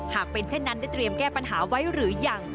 หากเป็นเช่นนั้นได้เตรียมแก้ปัญหาไว้หรือยัง